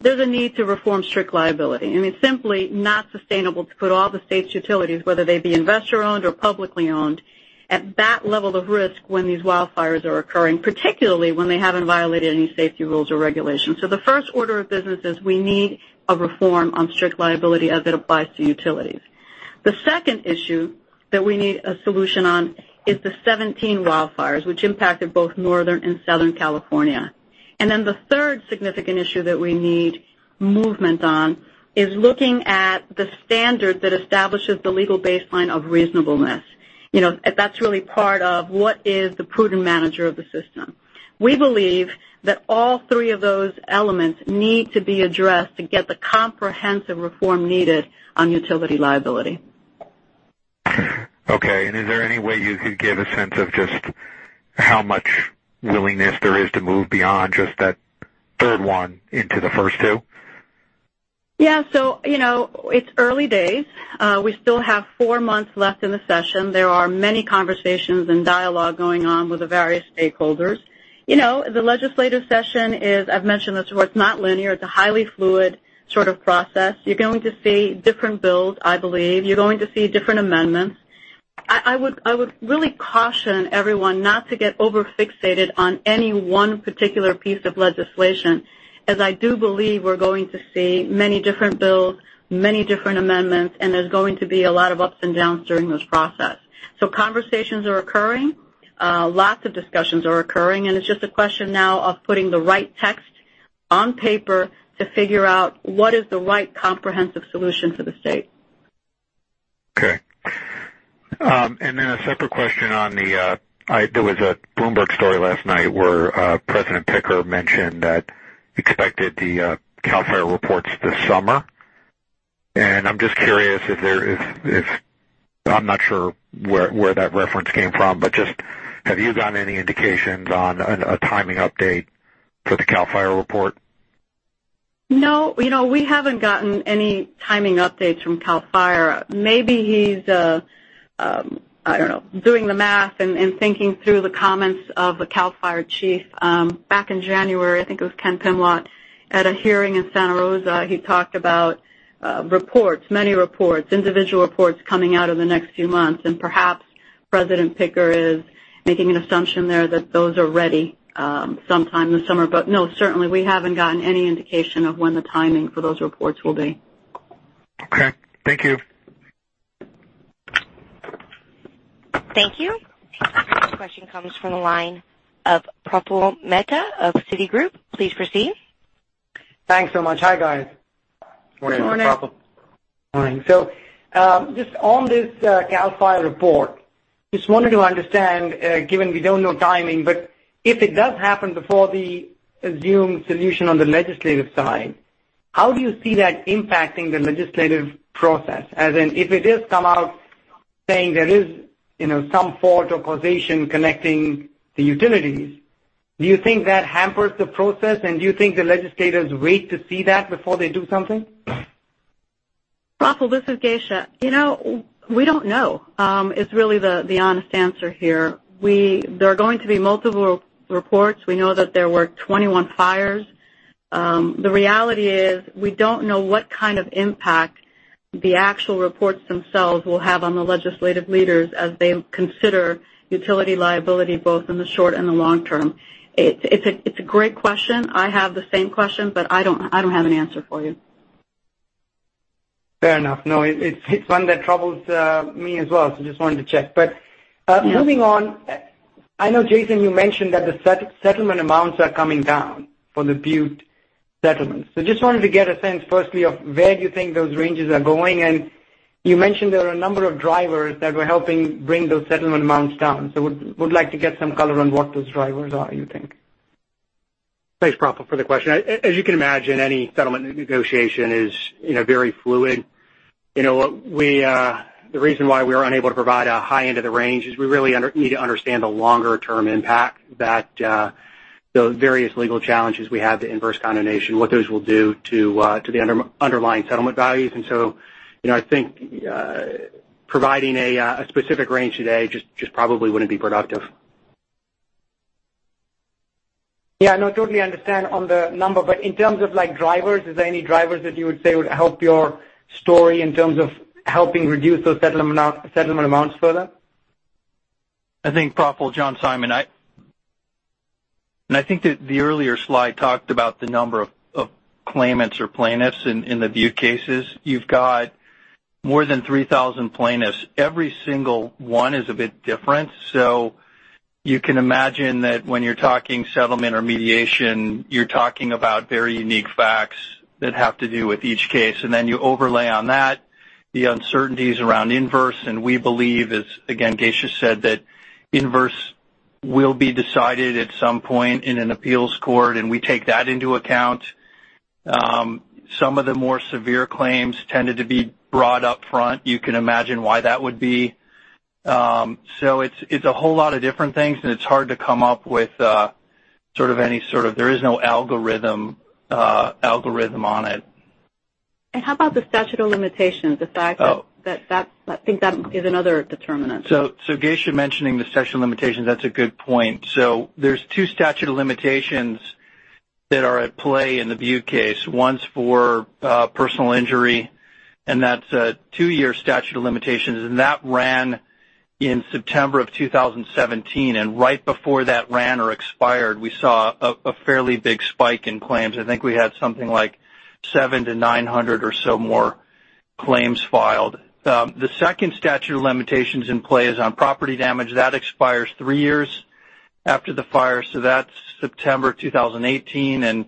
there's a need to reform strict liability. I mean, it's simply not sustainable to put all the state's utilities, whether they be investor-owned or publicly owned, at that level of risk when these wildfires are occurring, particularly when they haven't violated any safety rules or regulations. The first order of business is we need a reform on strict liability as it applies to utilities. The second issue that we need a solution on is the 17 wildfires, which impacted both Northern and Southern California. The third significant issue that we need movement on is looking at the standard that establishes the legal baseline of reasonableness. That's really part of what is the prudent manager of the system. We believe that all three of those elements need to be addressed to get the comprehensive reform needed on utility liability. Okay. Is there any way you could give a sense of just how much willingness there is to move beyond just that third one into the first two? Yeah. It's early days. We still have four months left in the session. There are many conversations and dialogue going on with the various stakeholders. The legislative session is, I've mentioned this before, it's not linear. It's a highly fluid sort of process. You're going to see different bills, I believe. You're going to see different amendments. I would really caution everyone not to get over-fixated on any one particular piece of legislation, as I do believe we're going to see many different bills, many different amendments, and there's going to be a lot of ups and downs during this process. Conversations are occurring. Lots of discussions are occurring, and it's just a question now of putting the right text on paper to figure out what is the right comprehensive solution for the state. Okay. A separate question on the, there was a Bloomberg story last night where President Picker mentioned that expected the CAL FIRE reports this summer. I'm just curious if there is I'm not sure where that reference came from, but just have you gotten any indications on a timing update for the CAL FIRE report? No. We haven't gotten any timing updates from CAL FIRE. Maybe he's, I don't know, doing the math and thinking through the comments of a CAL FIRE chief, back in January, I think it was Ken Pimlott, at a hearing in Santa Rosa. He talked about reports, many reports, individual reports coming out in the next few months. Perhaps President Picker is making an assumption there that those are ready, sometime this summer. No, certainly we haven't gotten any indication of when the timing for those reports will be. Okay. Thank you. Thank you. Our next question comes from the line of Praful Mehta of Citigroup. Please proceed. Thanks so much. Hi, guys. Morning. Morning. Morning. Just on this CAL FIRE report, just wanted to understand, given we don't know timing, but if it does happen before the assumed solution on the legislative side, how do you see that impacting the legislative process? As in, if it does come out saying there is some fault or causation connecting the utilities, do you think that hampers the process? Do you think the legislators wait to see that before they do something? Praful, this is Geisha. We don't know, is really the honest answer here. There are going to be multiple reports. We know that there were 21 fires. The reality is we don't know what kind of impact the actual reports themselves will have on the legislative leaders as they consider utility liability both in the short and the long term. It's a great question. I don't have an answer for you. Fair enough. No, it's one that troubles me as well, just wanted to check. Yeah. Moving on. I know, Jason, you mentioned that the settlement amounts are coming down for the Butte settlements. Just wanted to get a sense, firstly, of where do you think those ranges are going? You mentioned there are a number of drivers that were helping bring those settlement amounts down. Would like to get some color on what those drivers are, you think. Thanks, Praful, for the question. As you can imagine, any settlement negotiation is very fluid. The reason why we were unable to provide a high end of the range is we really need to understand the longer-term impact that the various legal challenges we have, the inverse condemnation, what those will do to the underlying settlement values. I think providing a specific range today just probably wouldn't be productive. Yeah, no, totally understand on the number. In terms of drivers, is there any drivers that you would say would help your story in terms of helping reduce those settlement amounts further? I think, Praful, John Simon. I think that the earlier slide talked about the number of claimants or plaintiffs in the Butte cases. You've got more than 3,000 plaintiffs. Every single one is a bit different. You can imagine that when you're talking settlement or mediation, you're talking about very unique facts that have to do with each case. Then you overlay on that the uncertainties around inverse. We believe, as again, Geisha said, that inverse will be decided at some point in an appeals court, and we take that into account. Some of the more severe claims tended to be brought up front. You can imagine why that would be. It's a whole lot of different things, and it's hard to come up with any sort of There is no algorithm on it. How about the statute of limitations? The fact that I think that is another determinant. Geisha mentioning the statute of limitations, that's a good point. There's two statute of limitations that are at play in the Butte case. One's for personal injury, and that's a two-year statute of limitations, and that ran in September of 2017. Right before that ran or expired, we saw a fairly big spike in claims. I think we had something like 700 to 900 or so more claims filed. The second statute of limitations in play is on property damage. That expires three years after the fire. That's September 2018.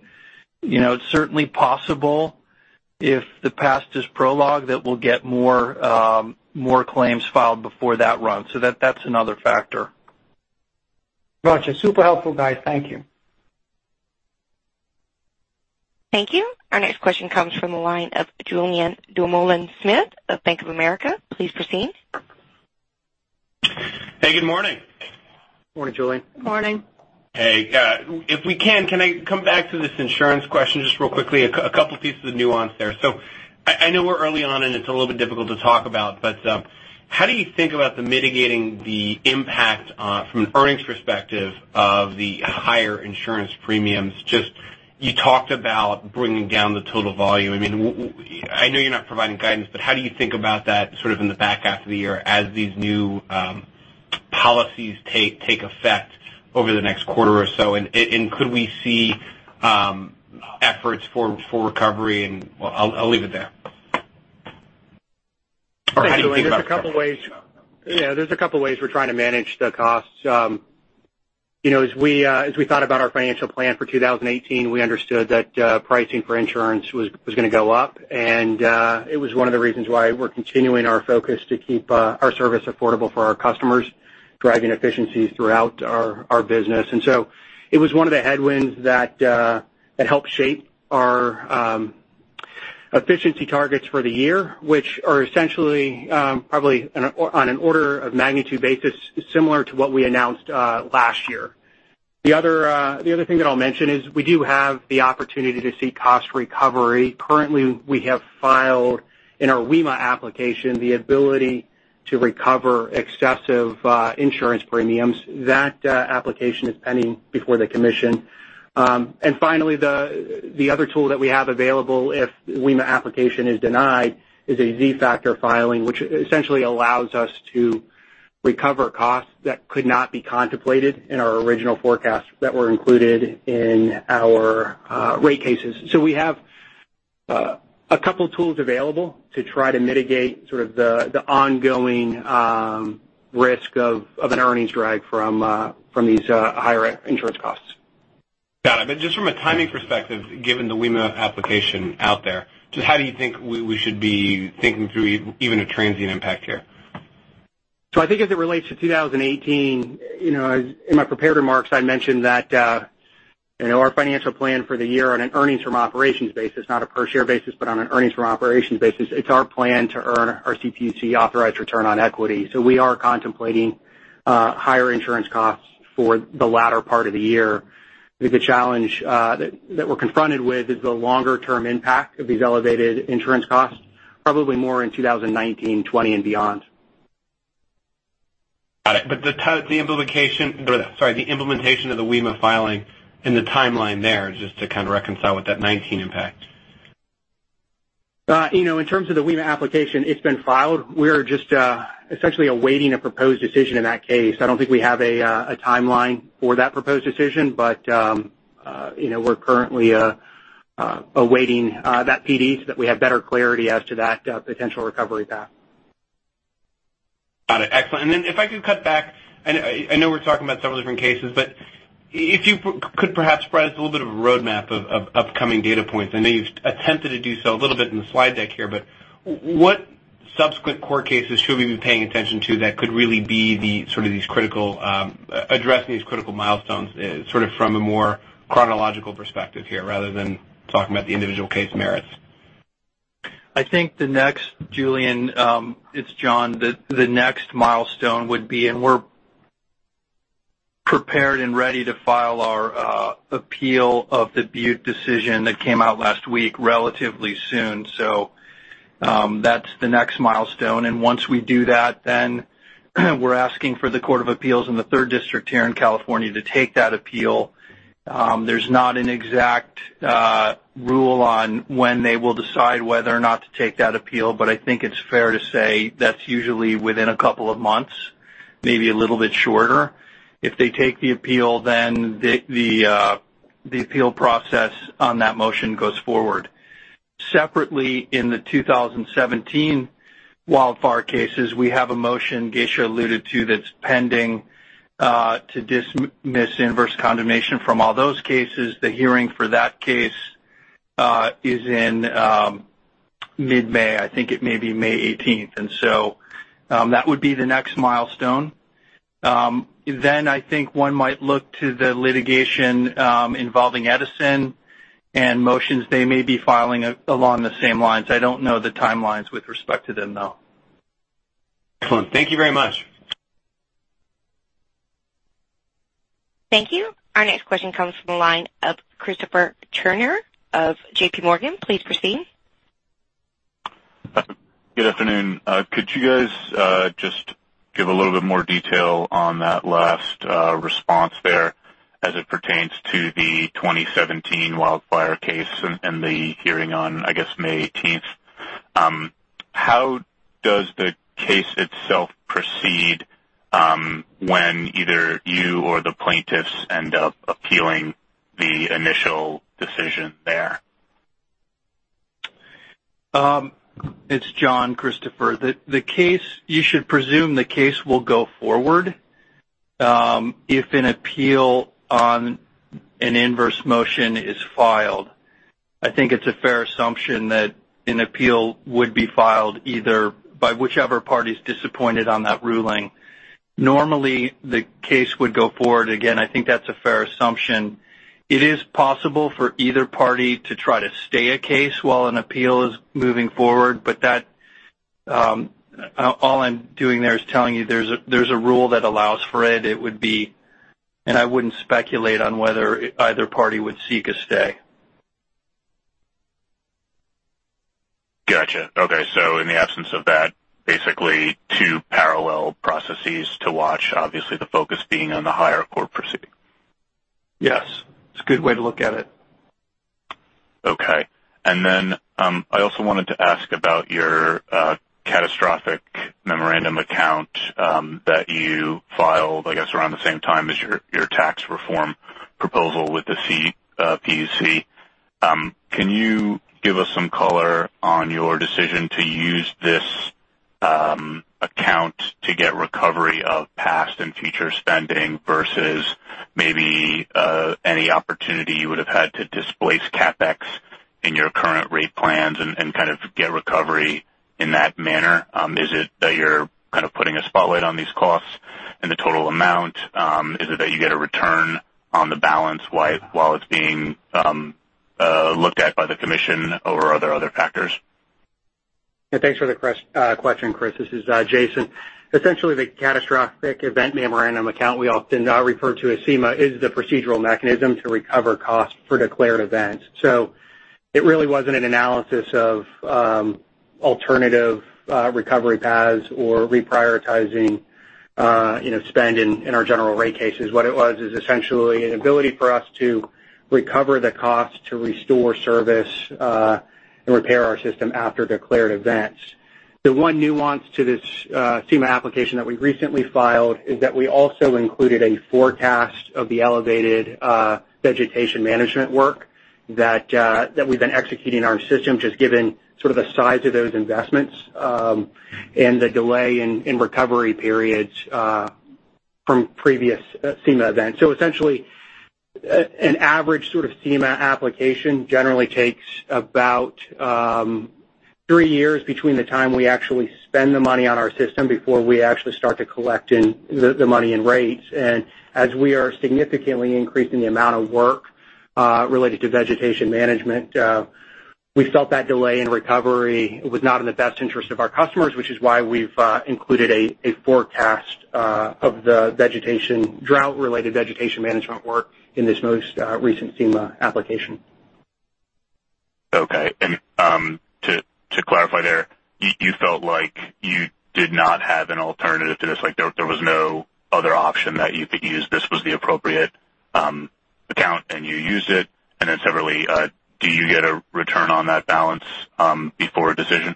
It's certainly possible if the past is prologue, that we'll get more claims filed before that runs. That's another factor. Got you. Super helpful, guys. Thank you. Thank you. Our next question comes from the line of Julien Dumoulin-Smith of Bank of America. Please proceed. Hey, good morning. Morning, Julien. Morning. Hey. If we can I come back to this insurance question just real quickly? A couple pieces of nuance there. I know we're early on, and it's a little bit difficult to talk about, but how do you think about the mitigating the impact from an earnings perspective of the higher insurance premiums? Just you talked about bringing down the total volume. I know you're not providing guidance, but how do you think about that sort of in the back half of the year as these new policies take effect over the next quarter or so? Could we see efforts for recovery and Well, I'll leave it there. Or how do you think about it? Yeah, there's a couple ways we're trying to manage the costs. As we thought about our financial plan for 2018, we understood that pricing for insurance was going to go up. It was one of the reasons why we're continuing our focus to keep our service affordable for our customers, driving efficiencies throughout our business. It was one of the headwinds that helped shape our efficiency targets for the year, which are essentially probably on an order of magnitude basis, similar to what we announced last year. The other thing that I'll mention is we do have the opportunity to seek cost recovery. Currently, we have filed in our WEMA application the ability to recover excessive insurance premiums. That application is pending before the commission. Finally, the other tool that we have available if the WEMA application is denied is a Z-factor filing, which essentially allows us to recover costs that could not be contemplated in our original forecast that were included in our rate cases. We have a couple tools available to try to mitigate sort of the ongoing risk of an earnings drag from these higher insurance costs. Got it. Just from a timing perspective, given the WEMA application out there, just how do you think we should be thinking through even a transient impact here? I think as it relates to 2018, in my prepared remarks, I mentioned that our financial plan for the year on an earnings from operations basis, not a per share basis, but on an earnings from operations basis, it's our plan to earn our CPUC authorized return on equity. We are contemplating higher insurance costs for the latter part of the year. I think the challenge that we're confronted with is the longer-term impact of these elevated insurance costs, probably more in 2019, 2020, and beyond. Got it. The implementation of the WEMA filing and the timeline there, just to kind of reconcile with that 2019 impact. In terms of the WEMA application, it's been filed. We're just essentially awaiting a proposed decision in that case. I don't think we have a timeline for that proposed decision, but we're currently awaiting that PD so that we have better clarity as to that potential recovery path. Got it. Excellent. If I could cut back, I know we're talking about several different cases, but if you could perhaps provide us a little bit of a roadmap of upcoming data points. I know you've attempted to do so a little bit in the slide deck here, but subsequent court cases should we be paying attention to that could really be addressing these critical milestones from a more chronological perspective here, rather than talking about the individual case merits? I think the next, Julien, it's John, the next milestone would be, we're prepared and ready to file our appeal of the Butte decision that came out last week relatively soon. That's the next milestone. Once we do that, we're asking for the Court of Appeals in the Third District here in California to take that appeal. There's not an exact rule on when they will decide whether or not to take that appeal, I think it's fair to say that's usually within a couple of months, maybe a little bit shorter. If they take the appeal, the appeal process on that motion goes forward. Separately, in the 2017 wildfire cases, we have a motion Geisha alluded to that's pending to dismiss inverse condemnation from all those cases. The hearing for that case is in mid-May, I think it may be May 18th. That would be the next milestone. I think one might look to the litigation involving Edison and motions they may be filing along the same lines. I don't know the timelines with respect to them, though. Excellent. Thank you very much. Thank you. Our next question comes from the line of Christopher Turnure of JPMorgan. Please proceed. Good afternoon. Could you guys just give a little bit more detail on that last response there as it pertains to the 2017 wildfire case and the hearing on, I guess, May 18th? How does the case itself proceed when either you or the plaintiffs end up appealing the initial decision there? It's John, Christopher. You should presume the case will go forward if an appeal on an inverse motion is filed. I think it's a fair assumption that an appeal would be filed by whichever party's disappointed on that ruling. Normally, the case would go forward. Again, I think that's a fair assumption. It is possible for either party to try to stay a case while an appeal is moving forward, but all I'm doing there is telling you there's a rule that allows for it. I wouldn't speculate on whether either party would seek a stay. Got you. Okay. In the absence of that, basically two parallel processes to watch. Obviously, the focus being on the higher court proceeding. Yes. It's a good way to look at it. Okay. I also wanted to ask about your catastrophic memorandum account that you filed, I guess, around the same time as your tax reform proposal with the CPUC. Can you give us some color on your decision to use this account to get recovery of past and future spending versus maybe any opportunity you would have had to displace CapEx in your current rate plans and get recovery in that manner? Is it that you're putting a spotlight on these costs and the total amount? Is it that you get a return on the balance while it's being looked at by the commission or are there other factors? Yeah. Thanks for the question, Chris. This is Jason. Essentially, the catastrophic event memorandum account we often refer to as CEMA, is the procedural mechanism to recover costs for declared events. It really wasn't an analysis of alternative recovery paths or reprioritizing spend in our General Rate Cases. What it was is essentially an ability for us to recover the cost to restore service and repair our system after declared events. The one nuance to this CEMA application that we recently filed is that we also included a forecast of the elevated vegetation management work that we've been executing in our system, just given the size of those investments and the delay in recovery periods from previous CEMA events. Essentially, an average CEMA application generally takes about 3 years between the time we actually spend the money on our system before we actually start to collect the money in rates. As we are significantly increasing the amount of work related to vegetation management, we felt that delay in recovery was not in the best interest of our customers, which is why we've included a forecast of the drought-related vegetation management work in this most recent CEMA application. Okay. To clarify there, you felt like you did not have an alternative to this, like there was no other option that you could use. This was the appropriate account, and you used it. Then separately, do you get a return on that balance before a decision?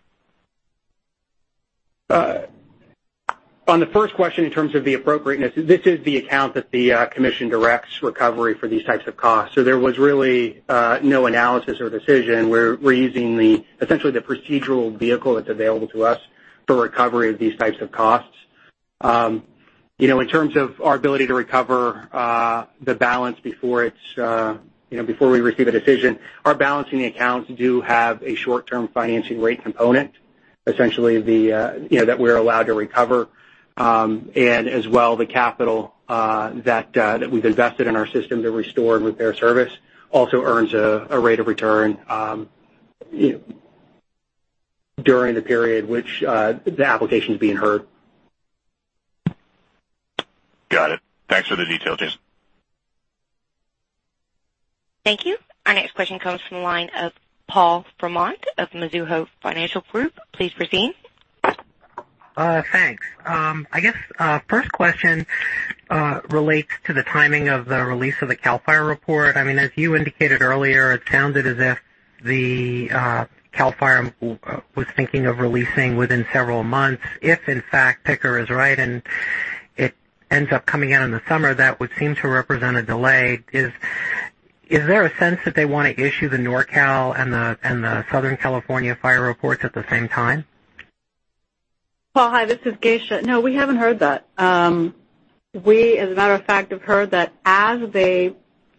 On the first question, in terms of the appropriateness, this is the account that the commission directs recovery for these types of costs. There was really no analysis or decision. We're using essentially the procedural vehicle that's available to us for recovery of these types of costs. In terms of our ability to recover the balance before we receive a decision, our balancing accounts do have a short-term financing rate component, essentially, that we're allowed to recover. As well, the capital that we've invested in our system to restore and repair service also earns a rate of return during the period which the application's being heard. Got it. Thanks for the detail, Jason. Thank you. Our next question comes from the line of Paul Fremont of Mizuho Financial Group. Please proceed. Thanks. I guess first question relates to the timing of the release of the CAL FIRE report. As you indicated earlier, it sounded as if the CAL FIRE was thinking of releasing within several months. If in fact Picker is right and it ends up coming out in the summer, that would seem to represent a delay. Is there a sense that they want to issue the NorCal and the Southern California fire reports at the same time? Paul, hi, this is Geisha. No, we haven't heard that. We, as a matter of fact, have heard that as they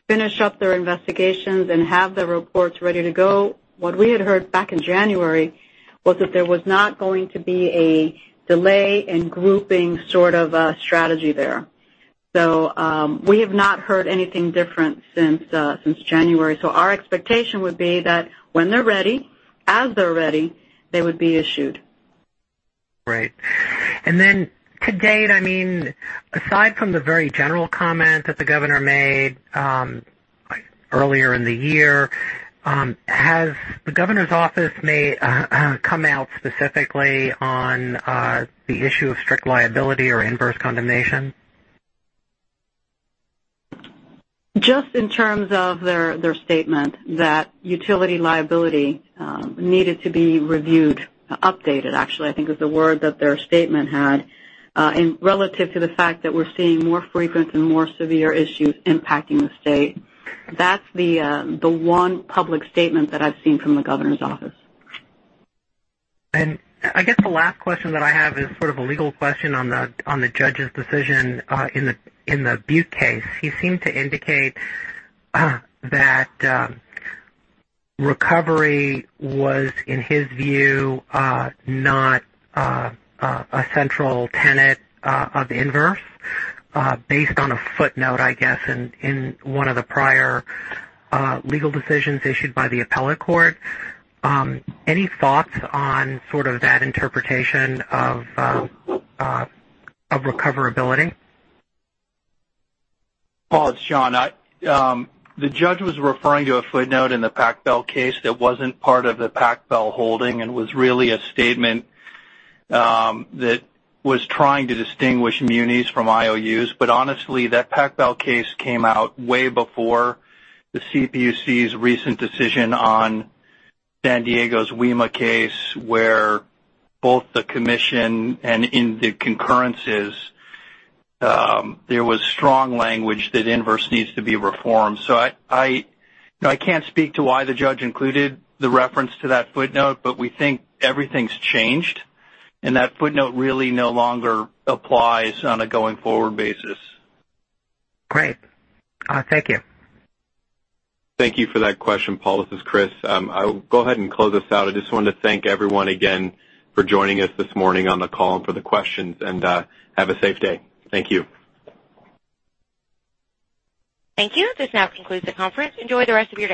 finish up their investigations and have the reports ready to go, what we had heard back in January was that there was not going to be a delay in grouping sort of a strategy there. We have not heard anything different since January. Our expectation would be that when they're ready, as they're ready, they would be issued. Right. To date, aside from the very general comment that the governor made earlier in the year, has the Governor's office come out specifically on the issue of strict liability or inverse condemnation? Just in terms of their statement that utility liability needed to be reviewed, updated, actually, I think is the word that their statement had, relative to the fact that we're seeing more frequent and more severe issues impacting the state. That's the one public statement that I've seen from the governor's office. I guess the last question that I have is sort of a legal question on the judge's decision in the Butte case. He seemed to indicate that recovery was, in his view, not a central tenet of inverse based on a footnote, I guess, in one of the prior legal decisions issued by the appellate court. Any thoughts on sort of that interpretation of recoverability? Paul, it's John. The judge was referring to a footnote in the PacBell case that wasn't part of the PacBell holding and was really a statement that was trying to distinguish munis from IOUs. Honestly, that PacBell case came out way before the CPUC's recent decision on San Diego's WEMA case, where both the commission and in the concurrences, there was strong language that inverse needs to be reformed. I can't speak to why the judge included the reference to that footnote, but we think everything's changed, and that footnote really no longer applies on a going-forward basis. Great. Thank you. Thank you for that question, Paul. This is Chris. I will go ahead and close us out. I just wanted to thank everyone again for joining us this morning on the call and for the questions. Have a safe day. Thank you. Thank you. This now concludes the conference. Enjoy the rest of your day.